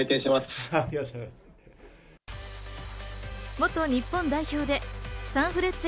元日本代表でサンフレッチェ